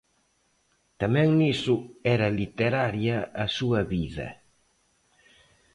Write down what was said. Tamén niso era literaria a súa vida.